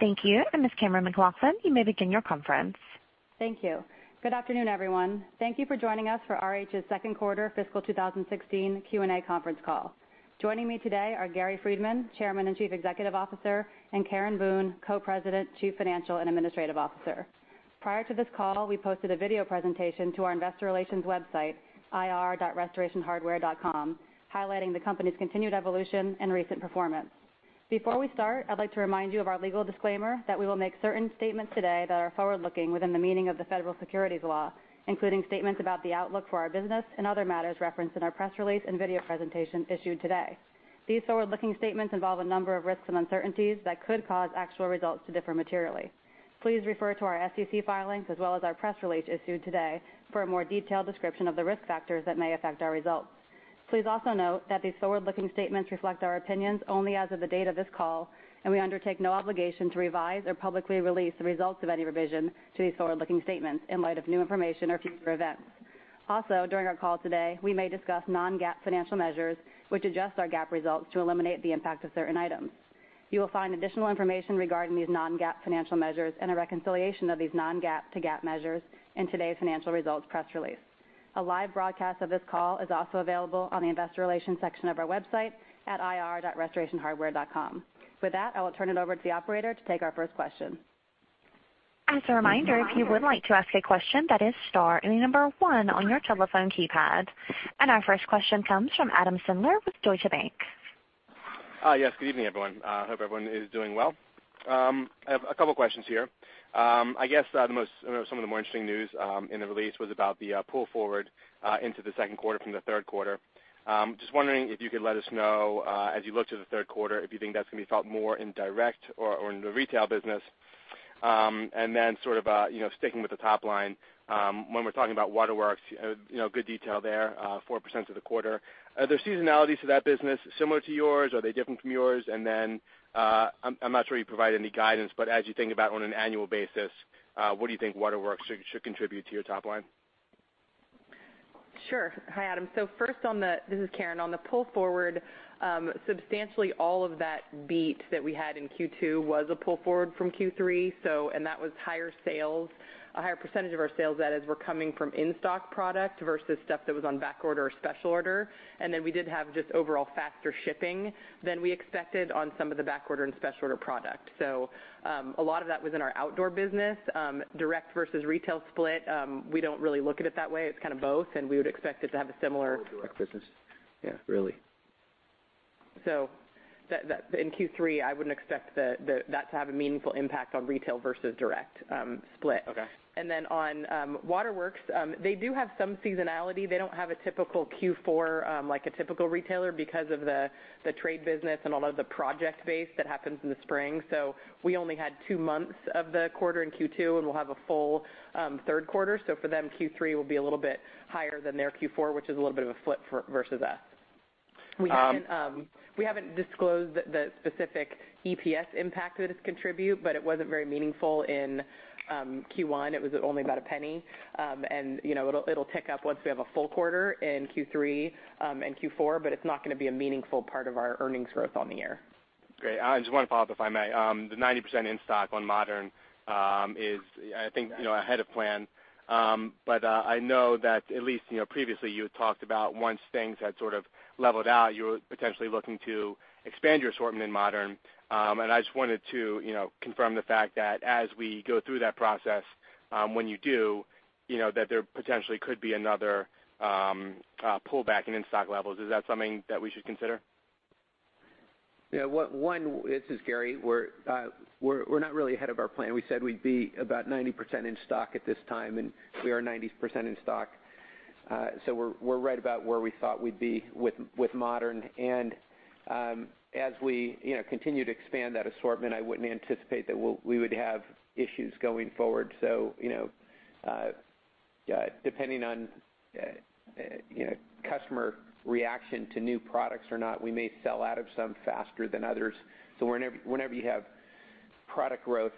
Thank you. Ms. Cammeron McLaughlin, you may begin your conference. Thank you. Good afternoon, everyone. Thank you for joining us for RH's second quarter fiscal 2016 Q&A conference call. Joining me today are Gary Friedman, Chairman and Chief Executive Officer, and Karen Boone, Co-President, Chief Financial and Administrative Officer. Prior to this call, we posted a video presentation to our investor relations website, ir.restorationhardware.com, highlighting the company's continued evolution and recent performance. Before we start, I'd like to remind you of our legal disclaimer that we will make certain statements today that are forward-looking within the meaning of the Federal Securities Law, including statements about the outlook for our business and other matters referenced in our press release and video presentation issued today. These forward-looking statements involve a number of risks and uncertainties that could cause actual results to differ materially. Please refer to our SEC filings as well as our press release issued today for a more detailed description of the risk factors that may affect our results. Please also note that these forward-looking statements reflect our opinions only as of the date of this call, and we undertake no obligation to revise or publicly release the results of any revision to these forward-looking statements in light of new information or future events. Also, during our call today, we may discuss non-GAAP financial measures, which adjust our GAAP results to eliminate the impact of certain items. You will find additional information regarding these non-GAAP financial measures and a reconciliation of these non-GAAP to GAAP measures in today's financial results press release. A live broadcast of this call is also available on the investor relations section of our website at ir.restorationhardware.com. With that, I will turn it over to the operator to take our first question. As a reminder, if you would like to ask a question, that is star and the number 1 on your telephone keypad. Our first question comes from Adam Sindler with Deutsche Bank. Hi. Yes, good evening, everyone. Hope everyone is doing well. I have a couple of questions here. I guess, some of the more interesting news in the release was about the pull forward into the second quarter from the third quarter. Just wondering if you could let us know, as you look to the third quarter, if you think that's going to be felt more in direct or in the retail business. Sticking with the top line, when we're talking about Waterworks, good detail there, 4% for the quarter. Are there seasonalities to that business similar to yours? Are they different from yours? I'm not sure you provide any guidance, but as you think about on an annual basis, what do you think Waterworks should contribute to your top line? Sure. Hi, Adam. First, this is Karen, on the pull forward, substantially all of that beat that we had in Q2 was a pull forward from Q3. That was higher sales, a higher percentage of our sales that as were coming from in-stock product versus stuff that was on backorder or special order. We did have just overall faster shipping than we expected on some of the backorder and special order product. A lot of that was in our outdoor business. Direct versus retail split, we don't really look at it that way. It's both, and we would expect it to have a similar- direct business. Yeah, really. In Q3, I wouldn't expect that to have a meaningful impact on retail versus direct split. Okay. On Waterworks, they do have some seasonality. They don't have a typical Q4, like a typical retailer because of the trade business and a lot of the project base that happens in the spring. We only had two months of the quarter in Q2, and we'll have a full third quarter. For them, Q3 will be a little bit higher than their Q4, which is a little bit of a flip versus us. We haven't disclosed the specific EPS impact that it contribute, but it wasn't very meaningful in Q1. It was only about $0.01. It'll tick up once we have a full quarter in Q3 and Q4, but it's not going to be a meaningful part of our earnings growth on the year. Great. I just want to follow up, if I may. The 90% in-stock on RH Modern is, I think, ahead of plan. I know that at least previously, you had talked about once things had sort of leveled out, you were potentially looking to expand your assortment in RH Modern. I just wanted to confirm the fact that as we go through that process, when you do, that there potentially could be another pullback in in-stock levels. Is that something that we should consider? Yeah. One, this is Gary. We're not really ahead of our plan. We said we'd be about 90% in stock at this time, and we are 90% in stock. We're right about where we thought we'd be with RH Modern. As we continue to expand that assortment, I wouldn't anticipate that we would have issues going forward. Depending on customer reaction to new products or not, we may sell out of some faster than others. Whenever you have product growth,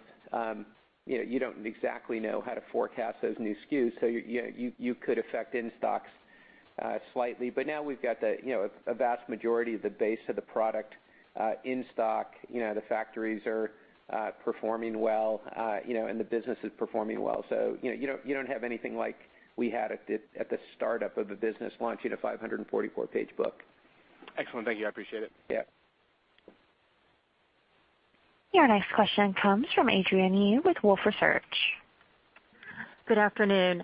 you don't exactly know how to forecast those new SKUs, so you could affect in-stocks slightly. Now we've got a vast majority of the base of the product in stock. The factories are performing well, and the business is performing well. You don't have anything like we had at the startup of the business launching a 544-page book. Excellent. Thank you. I appreciate it. Yeah. Your next question comes from Adrienne Yih with Wolfe Research. Good afternoon.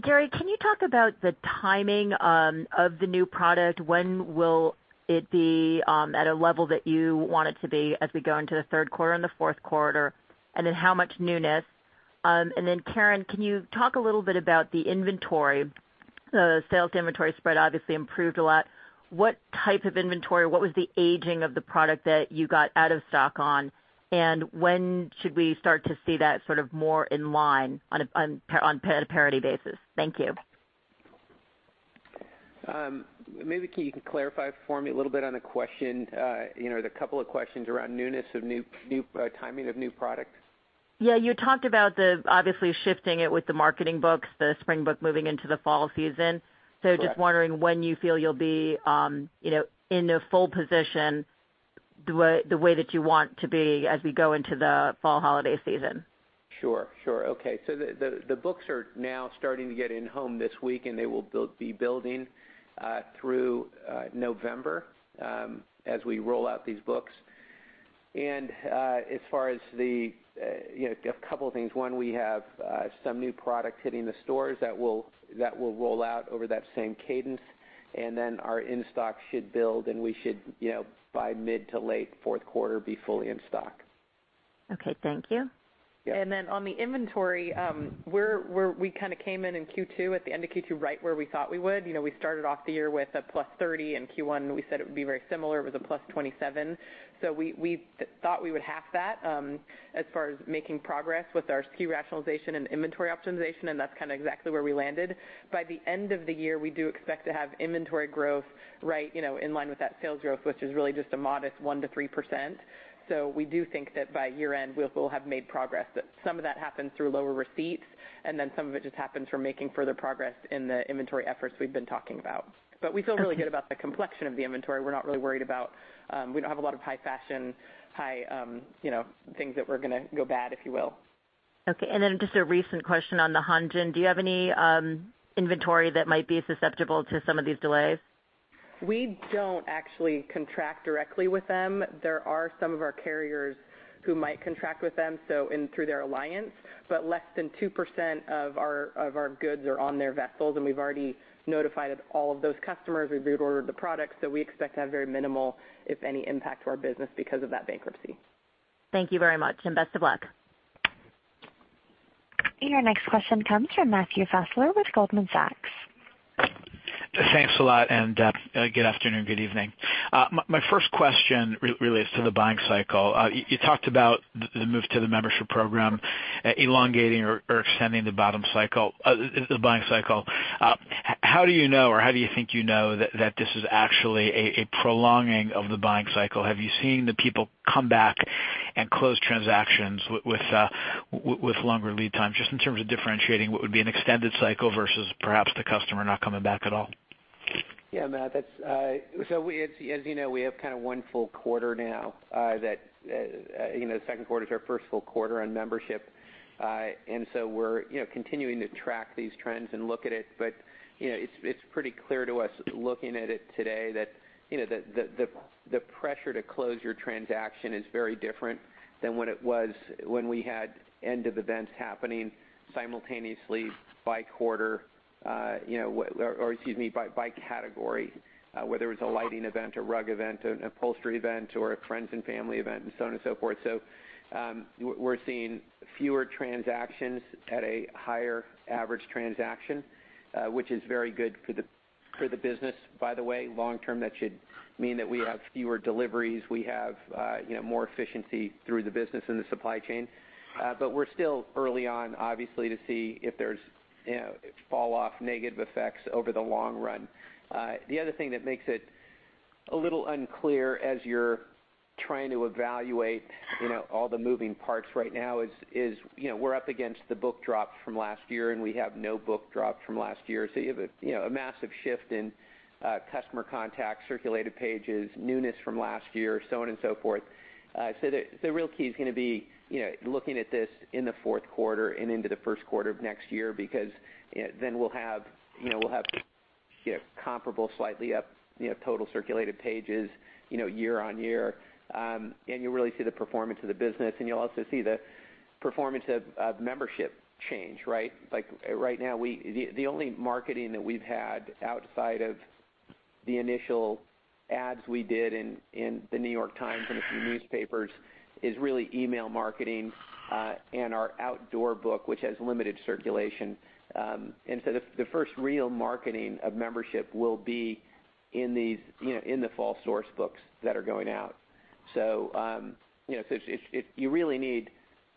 Gary, can you talk about the timing of the new product? When will it be at a level that you want it to be as we go into the third quarter and the fourth quarter, how much newness? Karen, can you talk a little bit about the inventory? The sales to inventory spread obviously improved a lot. What type of inventory, what was the aging of the product that you got out of stock on, and when should we start to see that sort of more in line on a parity basis? Thank you. Maybe, can you clarify for me a little bit on the question? There are a couple of questions around newness of timing of new product. Yeah. You talked about obviously shifting it with the marketing books, the spring book moving into the fall season. Correct. Just wondering when you feel you'll be in a full position the way that you want to be as we go into the fall holiday season. Sure. Okay. The books are now starting to get in home this week, and they will be building through November as we roll out these books. One, we have some new product hitting the stores that will roll out over that same cadence, and then our in-stock should build, and we should, by mid to late fourth quarter, be fully in stock. Okay, thank you. Yeah. On the inventory, we kind of came in at the end of Q2 right where we thought we would. We started off the year with a +30% in Q1, and we said it would be very similar. It was a +27%. We thought we would half that as far as making progress with our SKU rationalization and inventory optimization, and that's kind of exactly where we landed. By the end of the year, we do expect to have inventory growth right in line with that sales growth, which is really just a modest 1%-3%. We do think that by year-end, we'll have made progress. Some of that happens through lower receipts, and some of it just happens from making further progress in the inventory efforts we've been talking about. We feel really good about the complexion of the inventory. We don't have a lot of high fashion, things that were going to go bad, if you will. Okay. Just a recent question on the Hanjin. Do you have any inventory that might be susceptible to some of these delays? We don't actually contract directly with them. There are some of our carriers who might contract with them, in through their alliance. Less than 2% of our goods are on their vessels, and we've already notified all of those customers. We've reordered the products, we expect to have very minimal, if any, impact to our business because of that bankruptcy. Thank you very much, and best of luck. Your next question comes from Matthew Fassler with Goldman Sachs. Thanks a lot, and good afternoon. Good evening. My first question relates to the buying cycle. You talked about the move to the membership program elongating or extending the buying cycle. How do you know, or how do you think you know that this is actually a prolonging of the buying cycle? Have you seen the people come back and close transactions with longer lead times? Just in terms of differentiating what would be an extended cycle versus perhaps the customer not coming back at all. Yeah, Matt. As you know, we have kind of one full quarter now. Second quarter is our first full quarter on membership. We're continuing to track these trends and look at it. It's pretty clear to us, looking at it today, that the pressure to close your transaction is very different than what it was when we had end-of-events happening simultaneously by category, whether it's a lighting event, a rug event, an upholstery event, or a friends and family event, and so on and so forth. We're seeing fewer transactions at a higher average transaction, which is very good for the business, by the way. Long term, that should mean that we have fewer deliveries. We have more efficiency through the business and the supply chain. We're still early on, obviously, to see if there's fall off negative effects over the long run. The other thing that makes it a little unclear as you're trying to evaluate all the moving parts right now is we're up against the book drop from last year. We have no book drop from last year. You have a massive shift in customer contact, circulated pages, newness from last year, so on and so forth. The real key is going to be looking at this in the fourth quarter and into the first quarter of next year, because then we'll have comparable slightly up total circulated pages year-on-year. You'll really see the performance of the business, and you'll also see the performance of membership change, right? Right now, the only marketing that we've had outside of the initial ads we did in the New York Times and a few newspapers is really email marketing and our outdoor book, which has limited circulation. The first real marketing of membership will be in the fall source books that are going out. You really need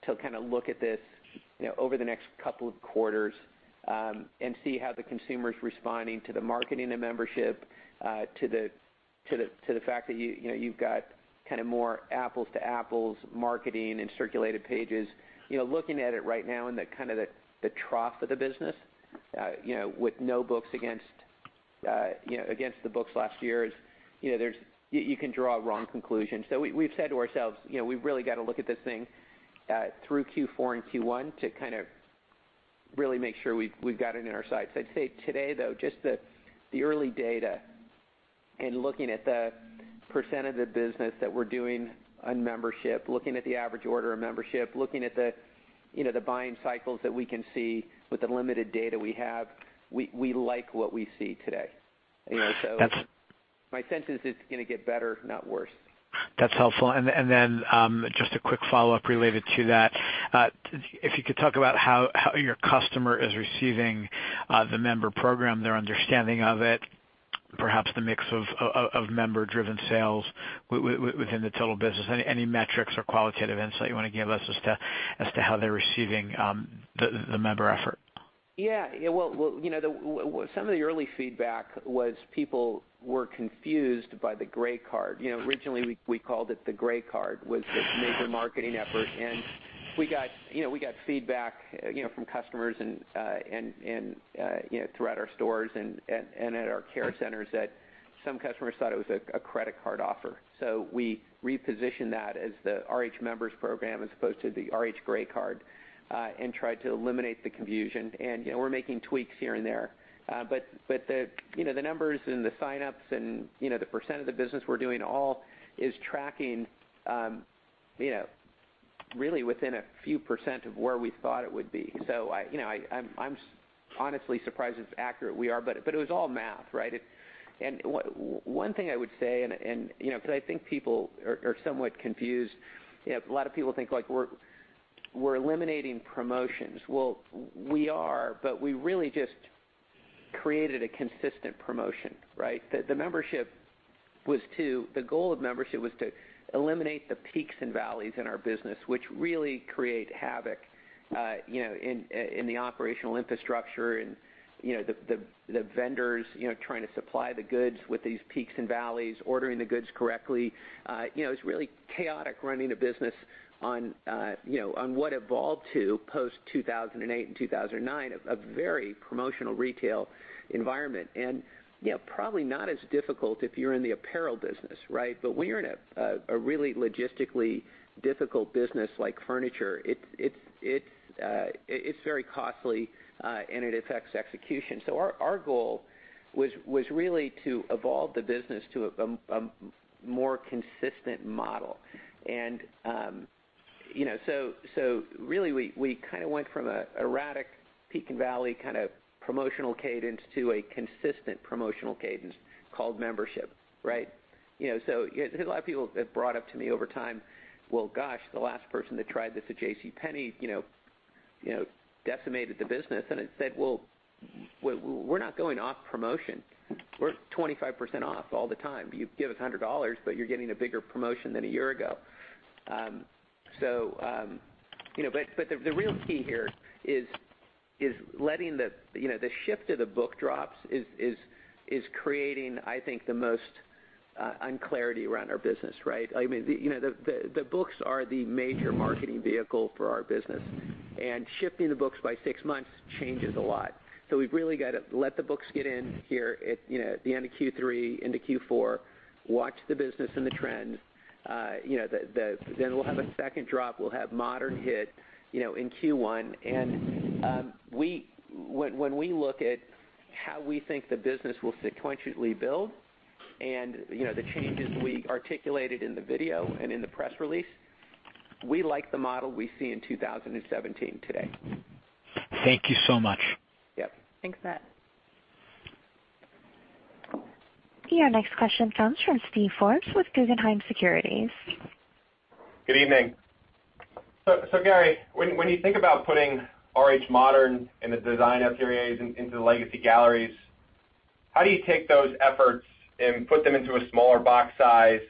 to kind of look at this over the next couple of quarters and see how the consumer's responding to the marketing of membership, to the fact that you've got more apples to apples marketing and circulated pages. Looking at it right now in the trough of the business with no books against the books last year. You can draw a wrong conclusion. We've said to ourselves we've really got to look at this thing through Q4 and Q1 to kind of really make sure we've got it in our sights. I'd say today, though, just the early data and looking at the % of the business that we're doing on membership, looking at the average order of membership, looking at the buying cycles that we can see with the limited data we have, we like what we see today. That's- My sense is it's going to get better, not worse. That's helpful. Then just a quick follow-up related to that. If you could talk about how your customer is receiving the member program, their understanding of it, perhaps the mix of member-driven sales within the total business. Any metrics or qualitative insight you want to give us as to how they're receiving the member effort? Well, some of the early feedback was people were confused by the RH Grey Card. Originally, we called it the RH Grey Card, was this major marketing effort. We got feedback from customers and throughout our stores and at our care centers that some customers thought it was a credit card offer. We repositioned that as the RH Members Program, as opposed to the RH Grey Card, and tried to eliminate the confusion. We're making tweaks here and there. The numbers and the sign-ups and the percent of the business we're doing all is tracking really within a few % of where we thought it would be. I'm honestly surprised it's accurate, we are, but it was all math, right? One thing I would say, because I think people are somewhat confused. A lot of people think we're eliminating promotions. Well, we are, we really just created a consistent promotion, right? The goal of membership was to eliminate the peaks and valleys in our business, which really create havoc in the operational infrastructure and the vendors trying to supply the goods with these peaks and valleys, ordering the goods correctly. It was really chaotic running a business on what evolved to post-2008 and 2009, a very promotional retail environment. Probably not as difficult if you're in the apparel business, right? When you're in a really logistically difficult business like furniture, it's very costly and it affects execution. Our goal was really to evolve the business to a more consistent model. Really we kind of went from a erratic peak and valley kind of promotional cadence to a consistent promotional cadence called membership, right? A lot of people have brought up to me over time, "Well, gosh, the last person that tried this at JCPenney decimated the business." I said, "Well, we're not going off promotion. We're 25% off all the time. You give us $100, you're getting a bigger promotion than a year ago." The real key here is letting the shift of the book drops is creating, I think, the most unclarity around our business, right? The books are the major marketing vehicle for our business, shifting the books by six months changes a lot. We've really got to let the books get in here at the end of Q3 into Q4, watch the business and the trends. We'll have a second drop. We'll have Modern hit in Q1. When we look at how we think the business will sequentially build and the changes we articulated in the video and in the press release, we like the model we see in 2017 today. Thank you so much. Yep. Thanks, Matt. Your next question comes from Steve Forbes with Guggenheim Securities. Good evening. Gary, when you think about putting RH Modern and the Design Ateliers into the legacy galleries, how do you take those efforts and put them into a smaller box size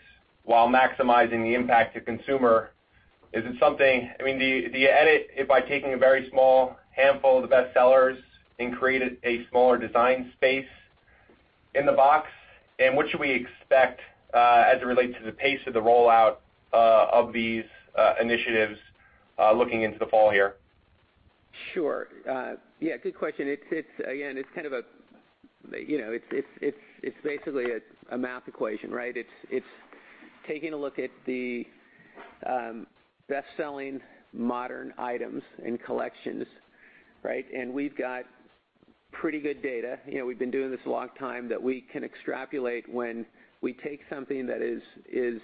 while maximizing the impact to consumer? Do you edit it by taking a very small handful of the best sellers and create a smaller design space in the box? What should we expect as it relates to the pace of the rollout of these initiatives looking into the fall here? Sure. Yeah, good question. It's basically a math equation, right? It's taking a look at the best-selling Modern items and collections, right? We've got pretty good data. We've been doing this a long time that we can extrapolate when we take something that is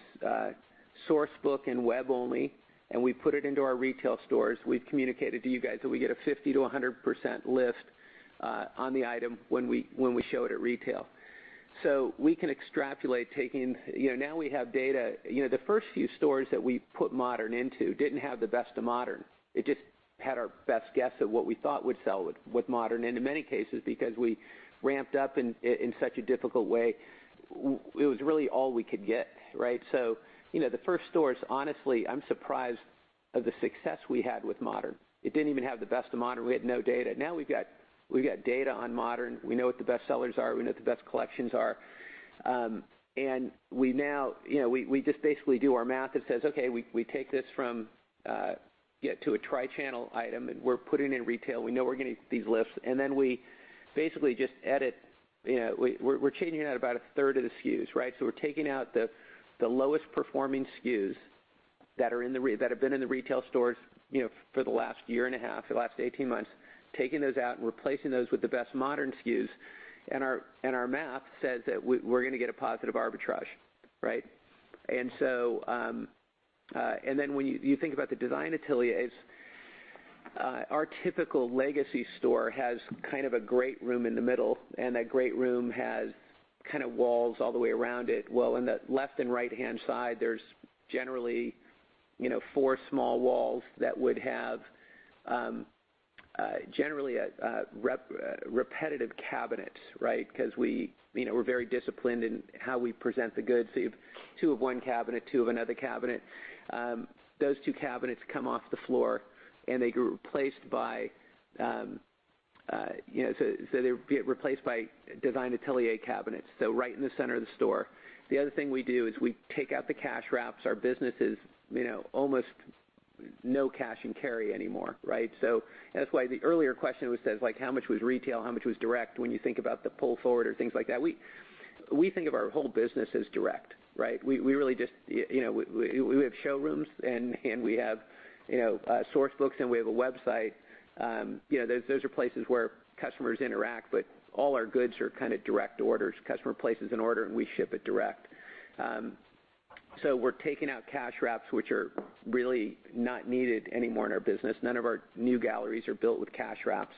source book and web only, and we put it into our retail stores. We've communicated to you guys that we get a 50%-100% lift on the item when we show it at retail. We can extrapolate. Now we have data. The first few stores that we put Modern into didn't have the best of Modern. It just had our best guess at what we thought would sell with Modern, and in many cases, because we ramped up in such a difficult way, it was really all we could get, right? The first stores, honestly, I'm surprised of the success we had with Modern. It didn't even have the best of Modern. We had no data. We've got data on Modern. We know what the best sellers are. We know what the best collections are. We just basically do our math that says, okay, we take this from to a tri-channel item, we're putting in retail. We know we're getting these lifts. Then we basically just edit. We're changing out about a third of the SKUs, right? We're taking out the lowest performing SKUs that have been in the retail stores for the last year and a half, the last 18 months, taking those out and replacing those with the best Modern SKUs. Our math says that we're going to get a positive arbitrage, right? When you think about the Design Ateliers, our typical legacy store has kind of a great room in the middle, that great room has walls all the way around it. In the left and right-hand side, there's generally four small walls that would have generally a repetitive cabinet, right? We're very disciplined in how we present the goods. You have two of one cabinet, two of another cabinet. Those two cabinets come off the floor, and they're being replaced by Design Atelier cabinets, right in the center of the store. The other thing we do is we take out the cash wraps. Our business is almost no cash and carry anymore. That's why the earlier question which says, "How much was retail? How much was direct?" When you think about the pull forward or things like that, we think of our whole business as direct. We have showrooms, we have source books, and we have a website. Those are places where customers interact, all our goods are kind of direct orders. Customer places an order, we ship it direct. We're taking out cash wraps, which are really not needed anymore in our business. None of our new galleries are built with cash wraps.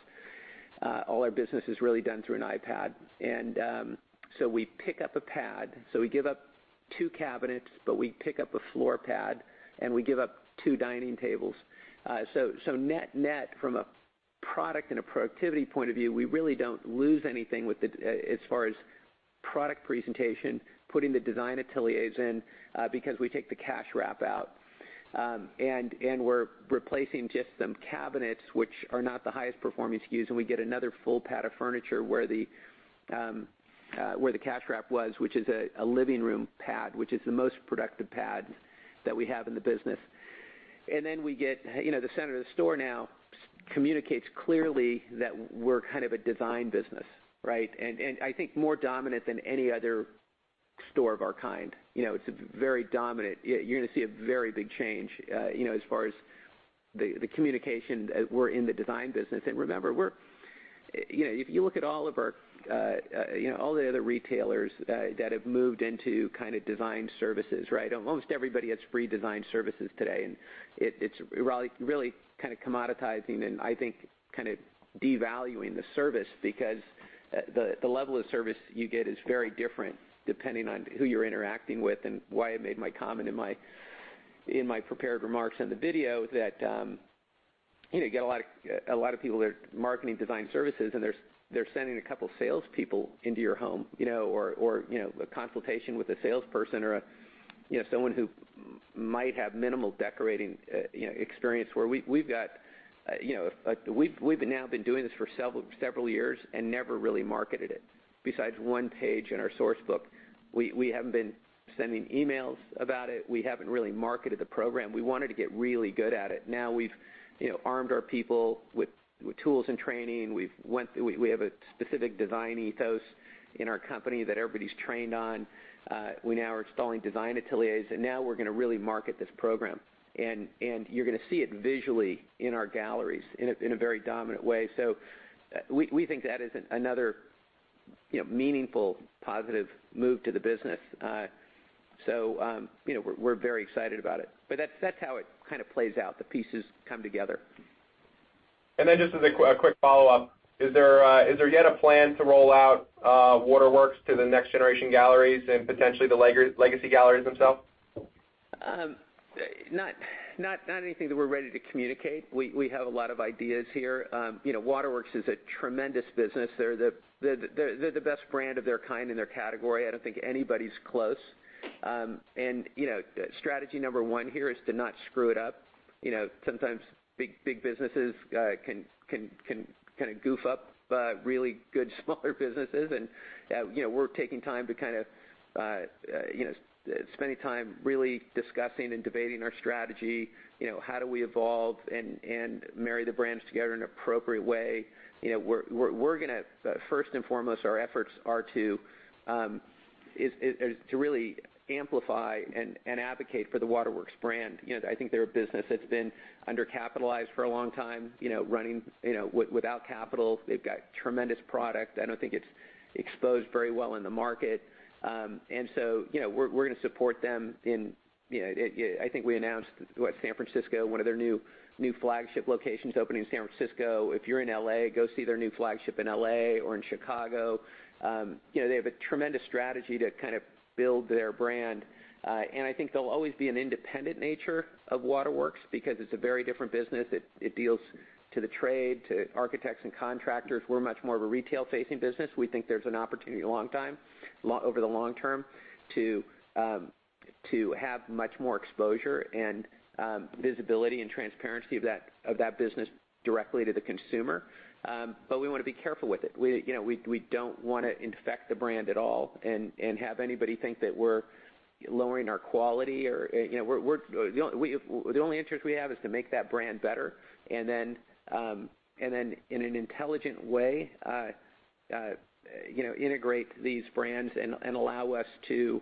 All our business is really done through an iPad. We pick up a pad. We give up two cabinets, but we pick up a floor pad, and we give up two dining tables. Net from a product and a productivity point of view, we really don't lose anything as far as product presentation, putting the Design Ateliers in, because we take the cash wrap out. We're replacing just some cabinets, which are not the highest performing SKUs, and we get another full pad of furniture where the cash wrap was, which is a living room pad, which is the most productive pad that we have in the business. The center of the store now communicates clearly that we're kind of a design business. I think more dominant than any other store of our kind. It's very dominant. You're going to see a very big change as far as the communication that we're in the design business. Remember, if you look at all the other retailers that have moved into design services. Almost everybody has free design services today. It's really kind of commoditizing and I think kind of devaluing the service because the level of service you get is very different depending on who you're interacting with and why I made my comment in my prepared remarks in the video that you get a lot of people that are marketing design services, and they're sending a couple of salespeople into your home or a consultation with a salesperson or someone who might have minimal decorating experience. Where we've now been doing this for several years and never really marketed it besides one page in our source book. We haven't been sending emails about it. We haven't really marketed the program. We wanted to get really good at it. Now we've armed our people with tools and training. We have a specific design ethos in our company that everybody's trained on. We now are installing Design Ateliers, and now we're going to really market this program. You're going to see it visually in our galleries in a very dominant way. We think that is another meaningful, positive move to the business. We're very excited about it. That's how it kind of plays out, the pieces come together. Is there yet a plan to roll out Waterworks to the next generation galleries and potentially the legacy galleries themselves? Not anything that we're ready to communicate. We have a lot of ideas here. Waterworks is a tremendous business. They're the best brand of their kind in their category. I don't think anybody's close. Strategy number 1 here is to not screw it up. Sometimes big businesses can kind of goof up really good smaller businesses. We're taking time to kind of spend time really discussing and debating our strategy. How do we evolve and marry the brands together in an appropriate way? First and foremost, our efforts are to really amplify and advocate for the Waterworks brand. I think they're a business that's been undercapitalized for a long time, running without capital. They've got tremendous product. I don't think it's exposed very well in the market. We're going to support them in I think we announced San Francisco, one of their new flagship locations opening in San Francisco. If you're in L.A., go see their new flagship in L.A. or in Chicago. They have a tremendous strategy to build their brand. I think there'll always be an independent nature of Waterworks because it's a very different business. It deals to the trade, to architects and contractors. We're much more of a retail-facing business. We think there's an opportunity over the long term to have much more exposure and visibility and transparency of that business directly to the consumer. We want to be careful with it. We don't want to infect the brand at all and have anybody think that we're lowering our quality. The only interest we have is to make that brand better, and then in an intelligent way integrate these brands and allow us to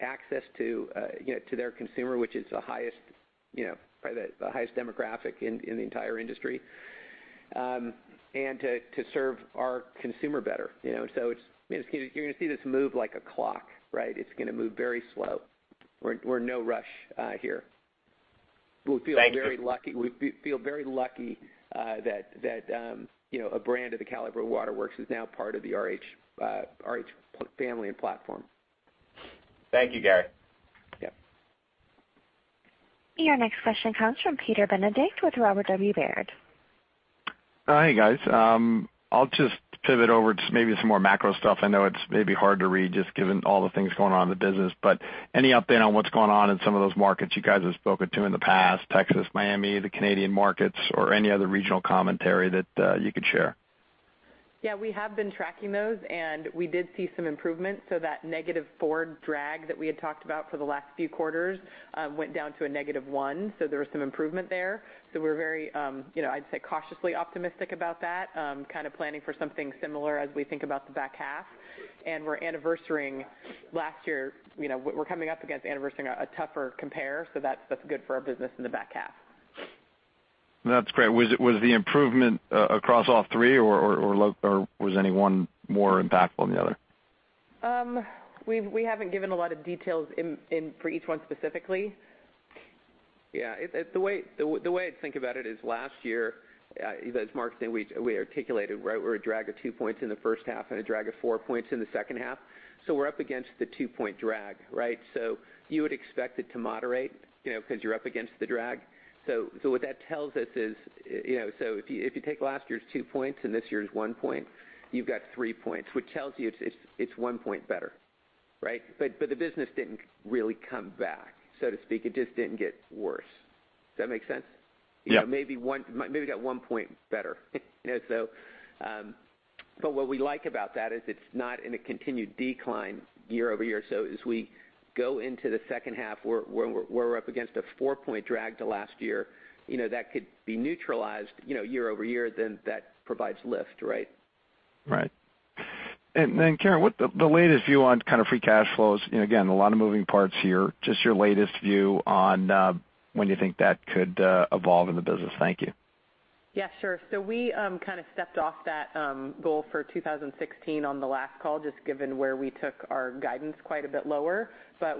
access to their consumer, which is probably the highest demographic in the entire industry, and to serve our consumer better. You're going to see this move like a clock. It's going to move very slow. We're in no rush here. Thank you. We feel very lucky that a brand of the caliber of Waterworks is now part of the RH family and platform. Thank you, Gary. Yeah. Your next question comes from Peter Benedict with Robert W. Baird. Hey, guys. I'll just pivot over to maybe some more macro stuff. I know it's maybe hard to read just given all the things going on in the business. Any update on what's going on in some of those markets you guys have spoken to in the past, Texas, Miami, the Canadian markets, or any other regional commentary that you could share? We have been tracking those, we did see some improvement. That negative four drag that we had talked about for the last few quarters went down to a negative one. There was some improvement there. We're very, I'd say, cautiously optimistic about that. Kind of planning for something similar as we think about the back half. We're anniversarying last year. We're coming up against anniversarying a tougher compare, so that's good for our business in the back half. That's great. Was the improvement across all three, or was any one more impactful than the other? We haven't given a lot of details for each one specifically. Yeah. The way I think about it is last year, as Mark said, we articulated, right, we're a drag of 2 points in the first half and a drag of 4 points in the second half. We're up against the 2-point drag, right? You would expect it to moderate because you're up against the drag. What that tells us is, if you take last year's 2 points and this year's 1 point, you've got 3 points, which tells you it's 1 point better, right? The business didn't really come back, so to speak. It just didn't get worse. Does that make sense? Yeah. Maybe got 1 point better. What we like about that is it's not in a continued decline year-over-year. As we go into the second half, where we're up against a 4-point drag to last year, that could be neutralized year-over-year, that provides lift, right? Right. Karen, what the latest view on kind of free cash flows, and again, a lot of moving parts here, just your latest view on when you think that could evolve in the business. Thank you. Yeah, sure. We kind of stepped off that goal for 2016 on the last call, just given where we took our guidance quite a bit lower.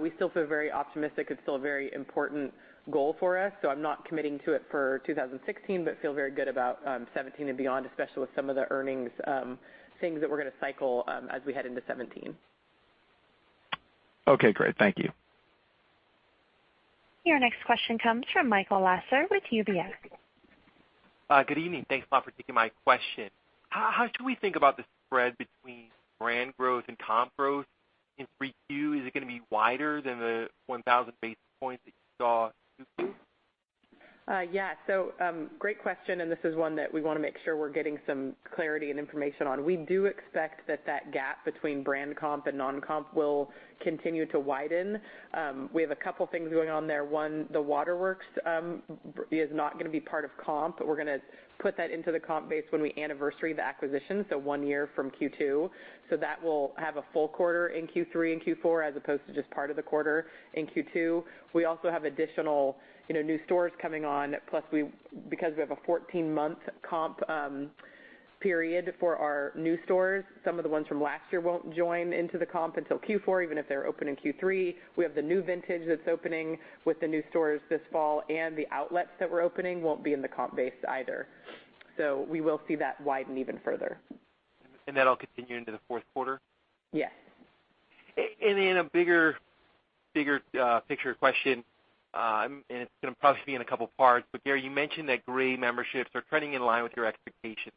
We still feel very optimistic. It's still a very important goal for us. I'm not committing to it for 2016, but feel very good about 2017 and beyond, especially with some of the earnings things that we're going to cycle as we head into 2017. Okay, great. Thank you. Your next question comes from Michael Lasser with UBS. Good evening. Thanks a lot for taking my question. How should we think about the spread between brand growth and comp growth in 3Q? Is it going to be wider than the 1,000 basis points that you saw in Q2? Yeah. Great question, and this is one that we want to make sure we're getting some clarity and information on. We do expect that that gap between brand comp and non-comp will continue to widen. We have a couple things going on there. One, the Waterworks is not going to be part of comp. We're going to put that into the comp base when we anniversary the acquisition, so one year from Q2. That will have a full quarter in Q3 and Q4 as opposed to just part of the quarter in Q2. We also have additional new stores coming on. Plus, because we have a 14-month comp period for our new stores, some of the ones from last year won't join into the comp until Q4, even if they're open in Q3. We have the new vintage that's opening with the new stores this fall, the outlets that we're opening won't be in the comp base either. We will see that widen even further. That'll continue into the fourth quarter? Yes. In a bigger picture question, and it's going to probably be in a couple parts, but Gary, you mentioned that Grey memberships are trending in line with your expectations.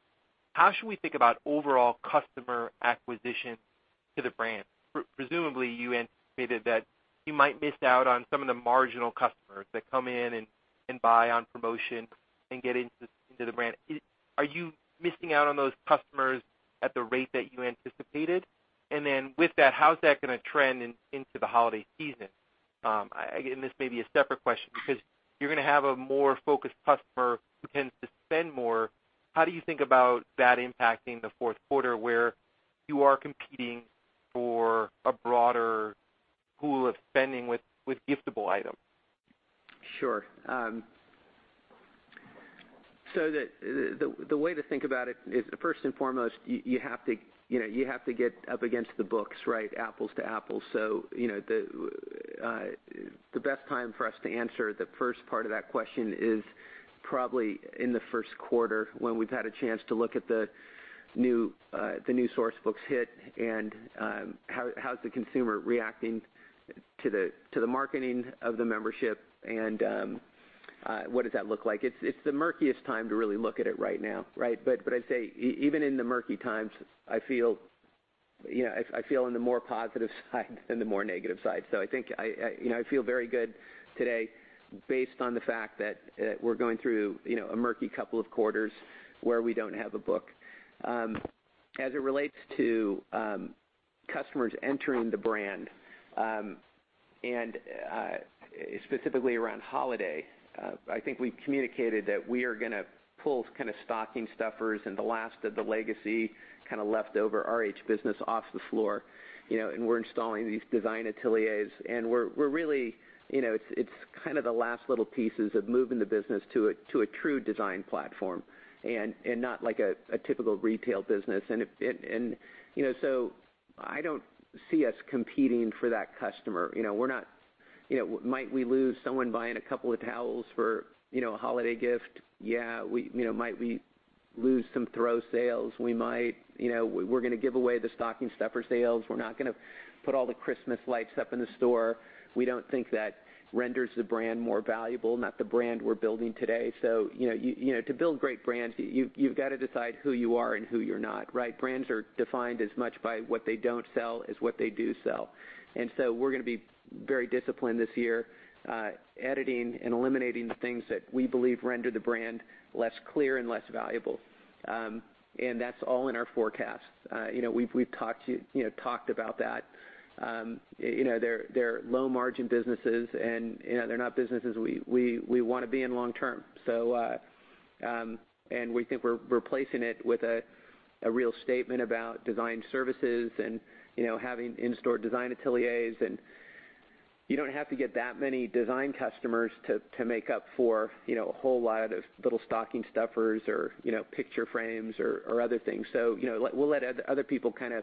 How should we think about overall customer acquisition to the brand? Presumably, you anticipated that you might miss out on some of the marginal customers that come in and buy on promotion and get into the brand. Are you missing out on those customers at the rate that you anticipated? Then with that, how's that going to trend into the holiday season? This may be a separate question, because you're going to have a more focused customer who tends to spend more. How do you think about that impacting the fourth quarter, where you are competing for a broader pool of spending with giftable items? Sure. The way to think about it is, first and foremost, you have to get up against the books, right? Apples to apples. The best time for us to answer the first part of that question is probably in the first quarter when we've had a chance to look at the new source books hit and how's the consumer reacting to the marketing of the membership and what does that look like. It's the murkiest time to really look at it right now, right? I'd say, even in the murky times, I feel on the more positive side than the more negative side. I feel very good today based on the fact that we're going through a murky couple of quarters where we don't have a book. As it relates to customers entering the brand, specifically around holiday, I think we communicated that we are going to pull kind of stocking stuffers and the last of the legacy kind of leftover RH business off the floor. We're installing these Design Ateliers. It's kind of the last little pieces of moving the business to a true design platform and not like a typical retail business. I don't see us competing for that customer. Might we lose someone buying a couple of towels for a holiday gift? Yeah. Might we lose some throw sales? We might. We're going to give away the stocking stuffer sales. We're not going to put all the Christmas lights up in the store. We don't think that renders the brand more valuable, not the brand we're building today. To build great brands, you've got to decide who you are and who you're not, right? Brands are defined as much by what they don't sell as what they do sell. We're going to be very disciplined this year editing and eliminating the things that we believe render the brand less clear and less valuable. That's all in our forecast. We've talked about that. They're low-margin businesses, and they're not businesses we want to be in long term. We think we're replacing it with a real statement about design services and having in-store Design Ateliers. You don't have to get that many design customers to make up for a whole lot of little stocking stuffers or picture frames or other things. We'll let other people kind of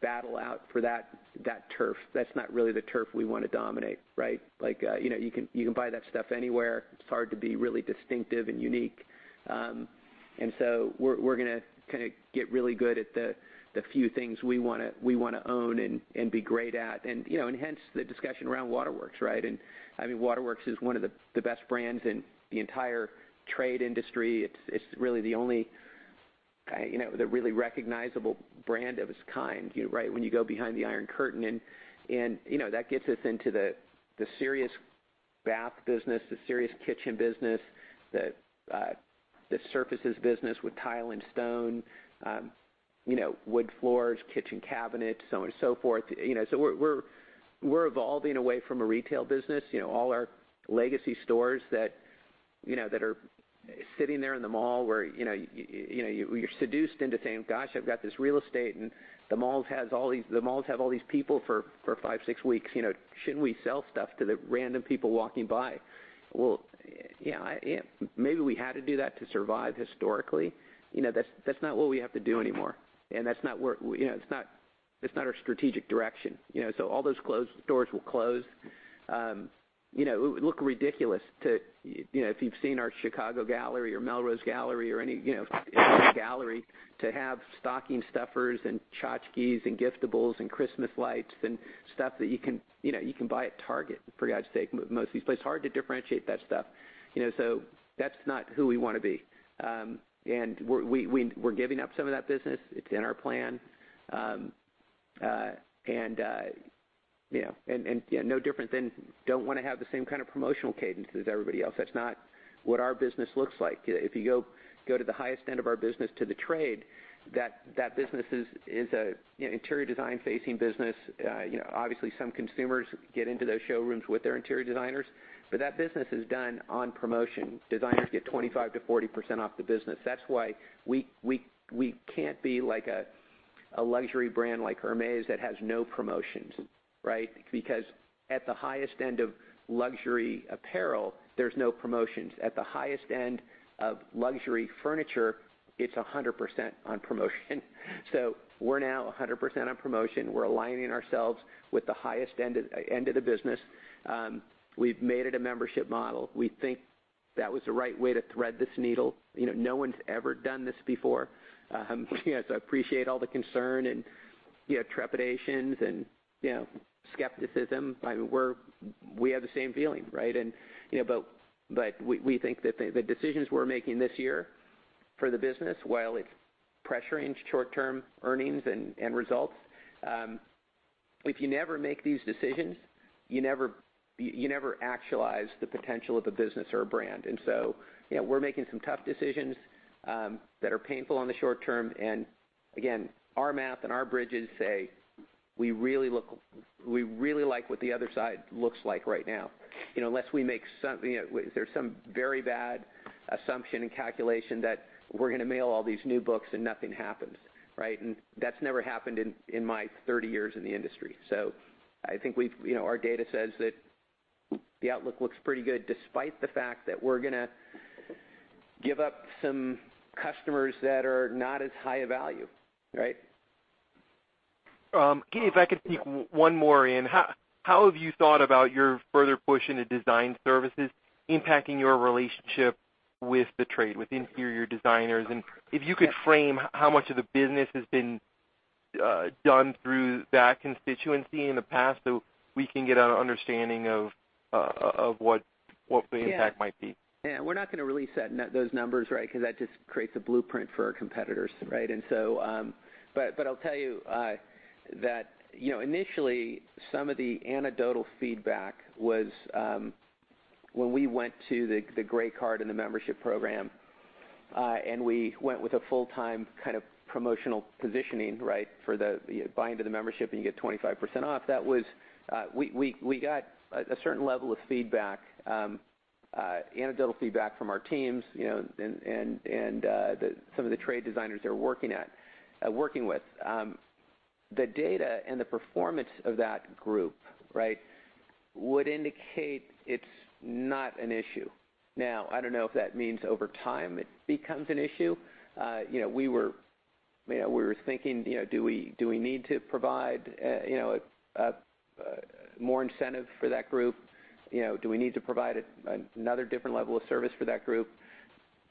battle out for that turf. That's not really the turf we want to dominate, right? You can buy that stuff anywhere. It's hard to be really distinctive and unique. We're going to get really good at the few things we want to own and be great at. Hence the discussion around Waterworks, right? I mean, Waterworks is one of the best brands in the entire trade industry. It's really the only recognizable brand of its kind, right? When you go behind the iron curtain, that gets us into the serious bath business, the serious kitchen business, the surfaces business with tile and stone, wood floors, kitchen cabinets, so on and so forth. We're evolving away from a retail business. All our legacy stores that are sitting there in the mall where you're seduced into saying, "Gosh, I've got this real estate, and the malls have all these people for five, six weeks. Shouldn't we sell stuff to the random people walking by?" Well, yeah. Maybe we had to do that to survive historically. That's not what we have to do anymore, and that's not our strategic direction. All those stores will close. It would look ridiculous. If you've seen our Chicago gallery or Melrose gallery or any gallery, to have stocking stuffers and tchotchkes and giftables and Christmas lights and stuff that you can buy at Target, for God's sake, mostly. It's hard to differentiate that stuff. That's not who we want to be. We're giving up some of that business. It's in our plan. No different than don't want to have the same kind of promotional cadence as everybody else. That's not what our business looks like. If you go to the highest end of our business to the trade, that business is an interior design-facing business. Obviously, some consumers get into those showrooms with their interior designers, but that business is done on promotion. Designers get 25%-40% off the business. That's why we can't be like a luxury brand like Hermès that has no promotions, right? Because at the highest end of luxury apparel, there's no promotions. At the highest end of luxury furniture, it's 100% on promotion. We're now 100% on promotion. We're aligning ourselves with the highest end of the business. We've made it a membership model. We think that was the right way to thread this needle. No one's ever done this before. I appreciate all the concern and trepidations and skepticism. We have the same feeling, right? We think that the decisions we're making this year for the business, while it's pressuring short-term earnings and results, if you never make these decisions, you never actualize the potential of a business or a brand. We're making some tough decisions that are painful in the short term. Again, our math and our bridges say we really like what the other side looks like right now. Unless there's some very bad assumption and calculation that we're going to mail all these new books and nothing happens, right? That's never happened in my 30 years in the industry. I think our data says that the outlook looks pretty good, despite the fact that we're going to give up some customers that are not as high a value, right? Keith, if I could sneak one more in. How have you thought about your further push into design services impacting your relationship with the trade, with interior designers? If you could frame how much of the business has been done through that constituency in the past so we can get an understanding of what the impact might be. Yeah. We're not going to release those numbers, right? That just creates a blueprint for our competitors, right? I'll tell you that initially, some of the anecdotal feedback was when we went to the RH Grey Card in the RH Members Program, and we went with a full-time kind of promotional positioning, right, for the buy-into-the-membership-and-you-get-25%-off, we got a certain level of feedback, anecdotal feedback from our teams, and some of the trade designers they were working with. The data and the performance of that group, right, would indicate it's not an issue. I don't know if that means over time it becomes an issue. We were thinking, do we need to provide more incentive for that group? Do we need to provide another different level of service for that group?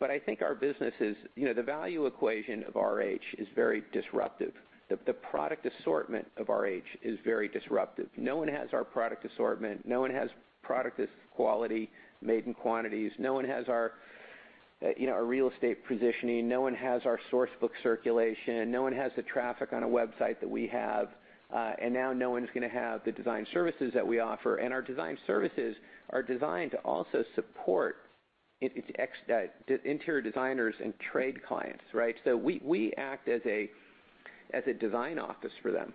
I think our business is. The value equation of RH is very disruptive. The product assortment of RH is very disruptive. No one has our product assortment. No one has product this quality made in quantities. No one has our real estate positioning. No one has our source book circulation. No one has the traffic on a website that we have. Now no one's going to have the design services that we offer. Our design services are designed to also support interior designers and trade clients, right? We act as a design office for them.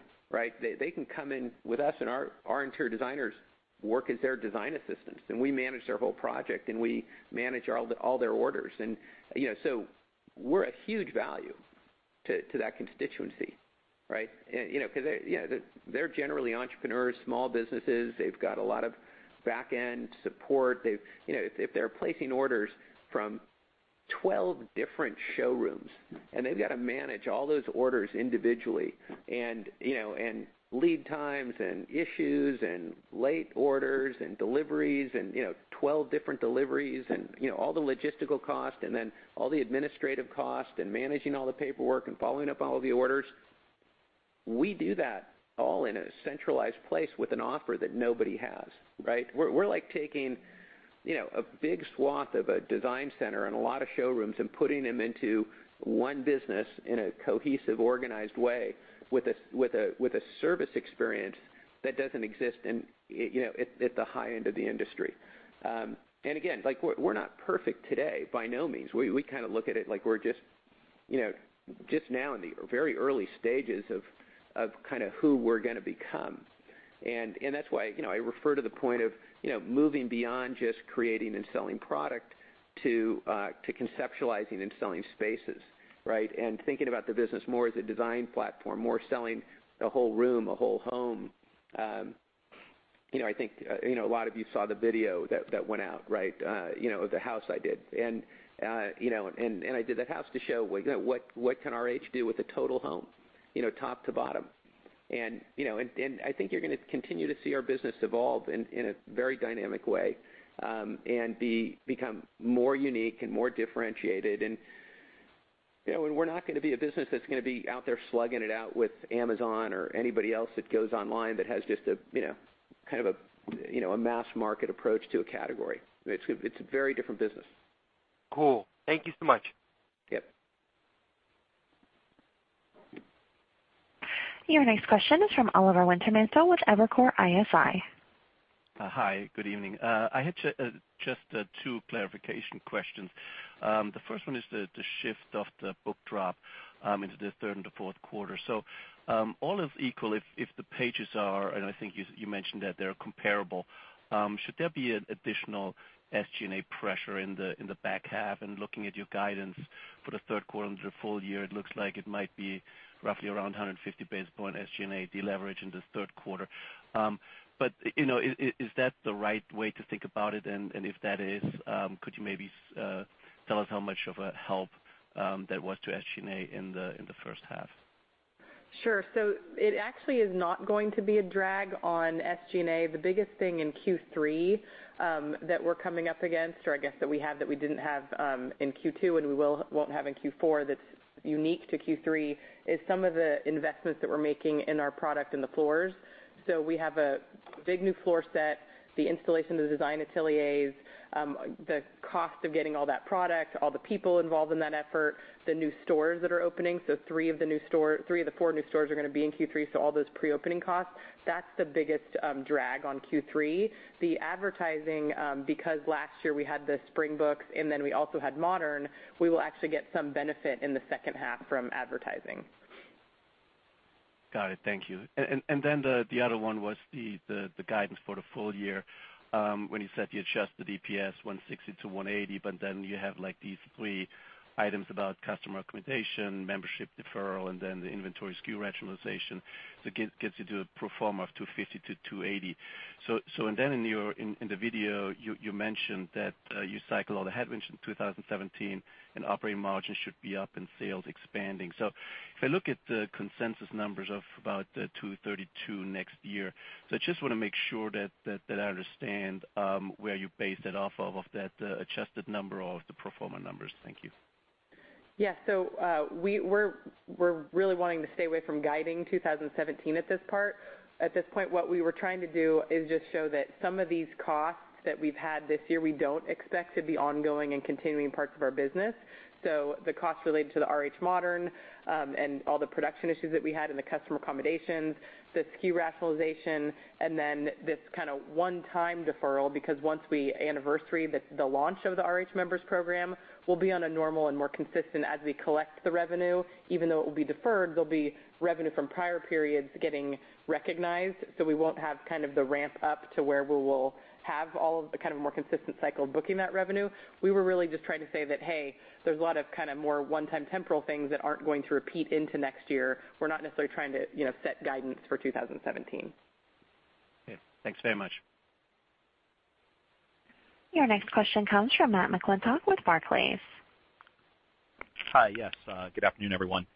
They can come in with us, and our interior designers work as their design assistants, and we manage their whole project, and we manage all their orders. We're a huge value to that constituency. Because they're generally entrepreneurs, small businesses, they've got a lot of back-end support. If they're placing orders from 12 different showrooms, and they've got to manage all those orders individually, and lead times, and issues, and late orders, and deliveries, and 12 different deliveries, and all the logistical costs, and then all the administrative costs and managing all the paperwork and following up all the orders, we do that all in a centralized place with an offer that nobody has. We're like taking a big swath of a design center and a lot of showrooms and putting them into one business in a cohesive, organized way with a service experience that doesn't exist at the high end of the industry. Again, we're not perfect today, by no means. We look at it like we're just now in the very early stages of who we're going to become. That's why I refer to the point of moving beyond just creating and selling product to conceptualizing and selling spaces. Thinking about the business more as a design platform, more selling a whole room, a whole home. I think a lot of you saw the video that went out, of the house I did. I did that house to show what can RH do with a total home, top to bottom. I think you're going to continue to see our business evolve in a very dynamic way, and become more unique and more differentiated. We're not going to be a business that's going to be out there slugging it out with Amazon or anybody else that goes online that has just a mass market approach to a category. It's a very different business. Cool. Thank you so much. Yep. Your next question is from Oliver Wintermantel with Evercore ISI. Hi, good evening. I had just two clarification questions. The first one is the shift of the book drop into the third and the fourth quarter. All is equal if the pages are, and I think you mentioned that they're comparable, should there be an additional SG&A pressure in the back half? Looking at your guidance for the third quarter and the full year, it looks like it might be roughly around 150 basis point SG&A deleverage in this third quarter. Is that the right way to think about it? If that is, could you maybe tell us how much of a help that was to SG&A in the first half? Sure. It actually is not going to be a drag on SG&A. The biggest thing in Q3 that we're coming up against or I guess that we have that we didn't have in Q2 and we won't have in Q4 that's unique to Q3 is some of the investments that we're making in our product and the floors. We have a big new floor set, the installation of the Design Ateliers, the cost of getting all that product, all the people involved in that effort, the new stores that are opening. Three of the four new stores are going to be in Q3, all those pre-opening costs. That's the biggest drag on Q3. The advertising, because last year we had the spring books and we also had Modern, we will actually get some benefit in the second half from advertising. Got it. Thank you. The other one was the guidance for the full year when you said the adjusted EPS $160-$180, then you have these three items about customer accommodation, membership deferral, and the inventory SKU rationalization that gets you to a pro forma of $250-$280. In the video, you mentioned that you cycle all the headwinds in 2017 and operating margins should be up and sales expanding. If I look at the consensus numbers of about $232 next year, I just want to make sure that I understand where you base that off of that adjusted number or the pro forma numbers. Thank you. Yeah. We're really wanting to stay away from guiding 2017 at this point. At this point, what we were trying to do is just show that some of these costs that we've had this year, we don't expect to be ongoing and continuing parts of our business. The costs related to the RH Modern, and all the production issues that we had and the customer accommodations, the SKU rationalization, and then this one-time deferral, because once we anniversary the launch of the RH Members Program, we'll be on a normal and more consistent as we collect the revenue, even though it will be deferred, there'll be revenue from prior periods getting recognized. We won't have the ramp up to where we will have all of the more consistent cycle booking that revenue. We were really just trying to say that, Hey, there's a lot of more one-time temporal things that aren't going to repeat into next year. We're not necessarily trying to set guidance for 2017. Okay. Thanks very much. Your next question comes from Matt McClintock with Barclays. Hi, yes. Good afternoon, everyone.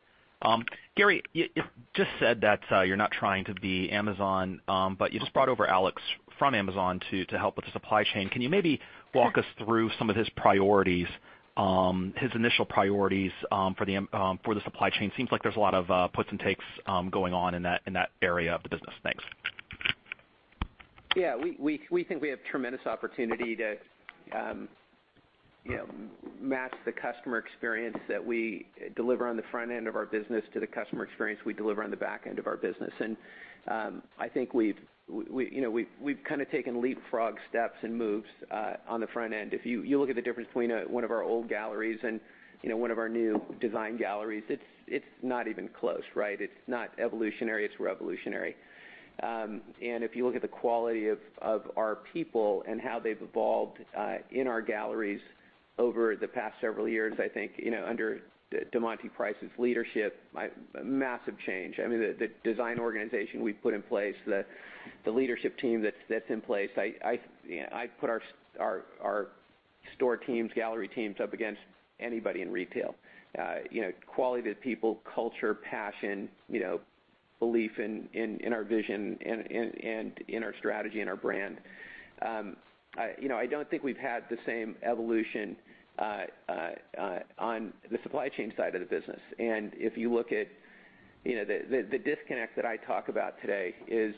Gary, you just said that you're not trying to be Amazon, but you just brought over Alex from Amazon to help with the supply chain. Can you maybe walk us through some of his initial priorities for the supply chain? Seems like there's a lot of puts and takes going on in that area of the business. Thanks. Yeah, we think we have tremendous opportunity to match the customer experience that we deliver on the front end of our business to the customer experience we deliver on the back end of our business. I think we've taken leapfrog steps and moves on the front end. If you look at the difference between one of our old galleries and one of our new design galleries, it's not even close, right? It's not evolutionary, it's revolutionary. If you look at the quality of our people and how they've evolved in our galleries over the past several years, I think, under DeMonty Price's leadership, massive change. The design organization we've put in place, the leadership team that's in place, I'd put our store teams, gallery teams up against anybody in retail. Quality of people, culture, passion, belief in our vision and in our strategy and our brand. I don't think we've had the same evolution on the supply chain side of the business. If you look at the disconnect that I talk about today is,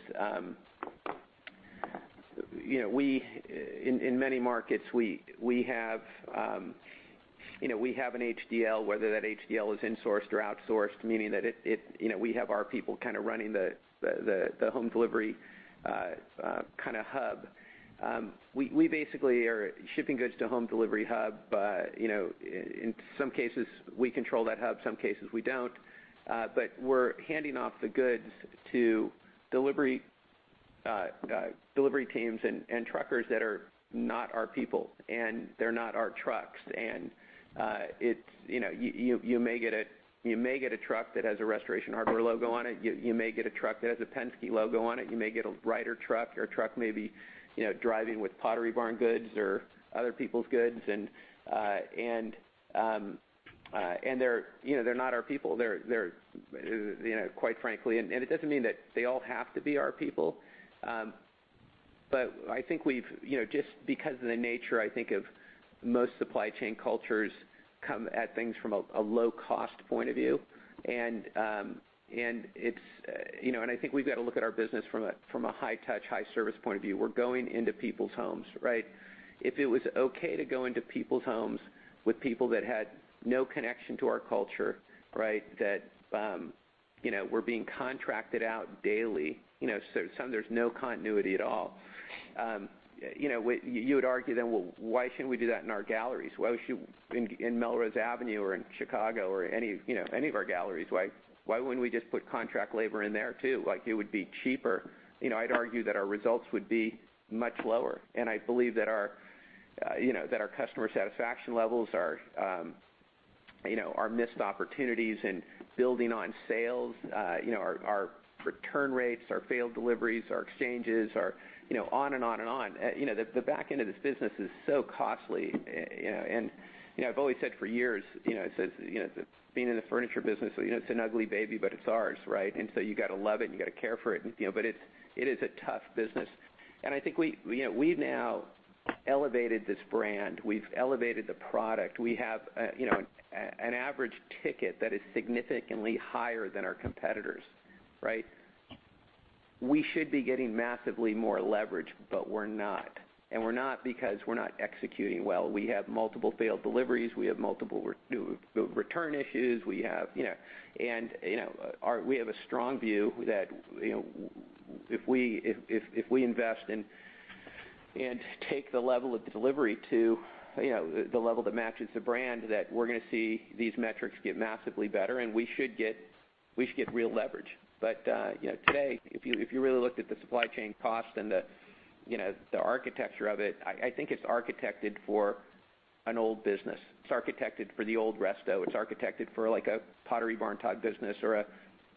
in many markets we have an HDL, whether that HDL is insourced or outsourced, meaning that we have our people kind of running the home delivery hub. We basically are shipping goods to home delivery hub. In some cases, we control that hub, some cases we don't. We're handing off the goods to delivery teams and truckers that are not our people, and they're not our trucks. You may get a truck that has a Restoration Hardware logo on it. You may get a truck that has a Penske logo on it. You may get a Ryder truck or a truck maybe driving with Pottery Barn goods or other people's goods. They're not our people, quite frankly. It doesn't mean that they all have to be our people. I think just because of the nature, I think of most supply chain cultures come at things from a low-cost point of view. I think we've got to look at our business from a high-touch, high-service point of view. We're going into people's homes. If it was okay to go into people's homes with people that had no connection to our culture. That were being contracted out daily, so there's no continuity at all. You would argue then, "Well, why shouldn't we do that in our galleries? Why shouldn't in Melrose Avenue or in Chicago or any of our galleries, why wouldn't we just put contract labor in there, too? It would be cheaper." I'd argue that our results would be much lower, I believe that our customer satisfaction levels, our missed opportunities in building on sales, our return rates, our failed deliveries, our exchanges, our on and on and on. The back end of this business is so costly. I've always said for years, being in the furniture business, it's an ugly baby, but it's ours. You got to love it, and you got to care for it. It is a tough business. I think we've now elevated this brand. We've elevated the product. We have an average ticket that is significantly higher than our competitors. We should be getting massively more leverage, but we're not. We're not because we're not executing well. We have multiple failed deliveries. We have multiple return issues. We have a strong view that if we invest and take the level of delivery to the level that matches the brand, that we're going to see these metrics get massively better, and we should get real leverage. Today, if you really looked at the supply chain cost and the architecture of it, I think it's architected for an old business. It's architected for the old Resto. It's architected for like a Pottery Barn-type business or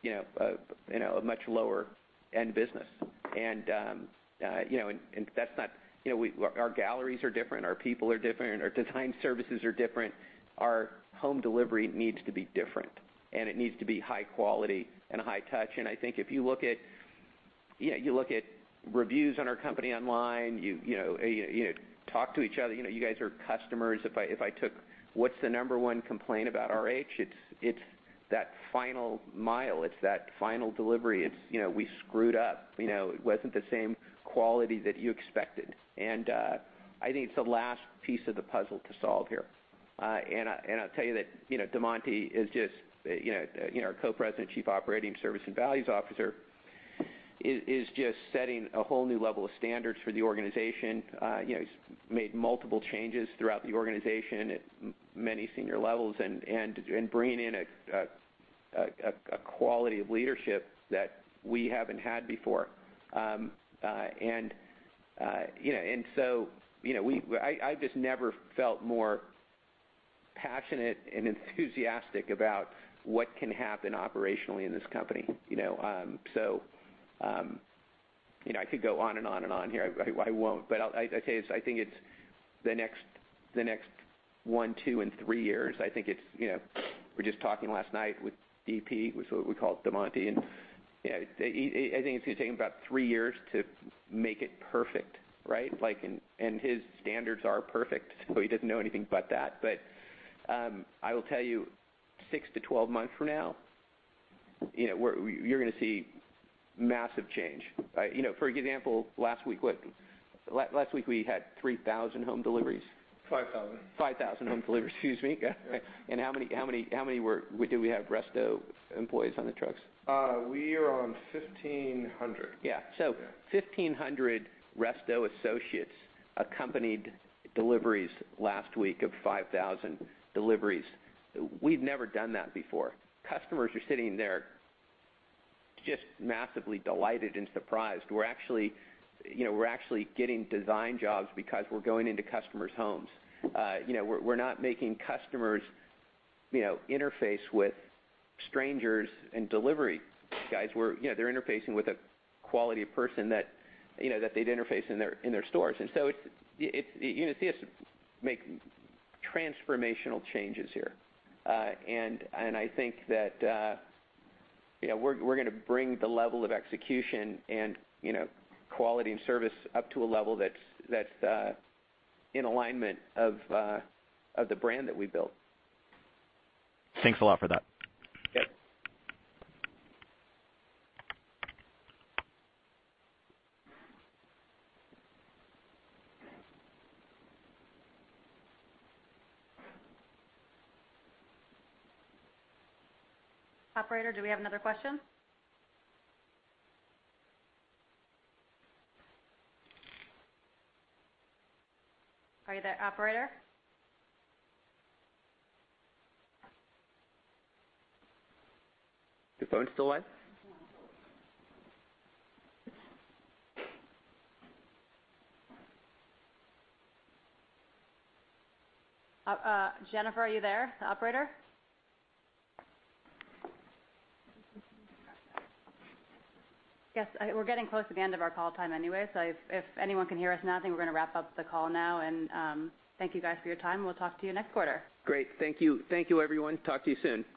a much lower-end business. Our galleries are different. Our people are different. Our design services are different. Our home delivery needs to be different, and it needs to be high quality and high touch. I think if you look at reviews on our company online, you talk to each other, you guys are customers. If I took what's the number 1 complaint about RH, it's that final mile. It's that final delivery. It's we screwed up. It wasn't the same quality that you expected. I think it's the last piece of the puzzle to solve here. I'll tell you that DeMonty is just-- our Co-President and Chief Operating, Service and Values Officer is just setting a whole new level of standards for the organization. He's made multiple changes throughout the organization at many senior levels and bringing in a quality of leadership that we haven't had before. I just never felt more passionate and enthusiastic about what can happen operationally in this company. I could go on and on and on here. I won't. I tell you, I think it's the next one, two, and three years. We were just talking last night with DP, which is what we call DeMonty, I think it's going to take him about three years to make it perfect. His standards are perfect, so he doesn't know anything but that. I will tell you, 6 to 12 months from now You're going to see massive change. For example, last week we had 3,000 home deliveries? 5,000. 5,000 home deliveries, excuse me. Yeah. How many did we have Resto employees on the trucks? We are on 1,500. Yeah. 1,500 Resto associates accompanied deliveries last week of 5,000 deliveries. We've never done that before. Customers are sitting there just massively delighted and surprised. We're actually getting design jobs because we're going into customers' homes. We're not making customers interface with strangers and delivery guys. They're interfacing with a quality person that they'd interface in their stores. You're going to see us make transformational changes here. I think that we're going to bring the level of execution and quality and service up to a level that's in alignment of the brand that we built. Thanks a lot for that. Yep. Operator, do we have another question? Are you there, operator? Your phone still on? Jennifer, are you there? The operator? I guess we're getting close to the end of our call time anyway. If anyone can hear us now, I think we're going to wrap up the call now. Thank you guys for your time. We'll talk to you next quarter. Great. Thank you, everyone. Talk to you soon.